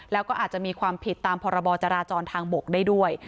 แล้วก็อาจจะมีความผิดตามพรบจราจรทางบกได้ด้วย